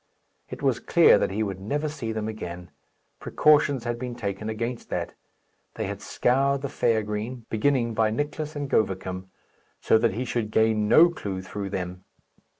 It was clear that he would never see them again. Precautions had been taken against that. They had scoured the fair green, beginning by Nicless and Govicum, so that he should gain no clue through them.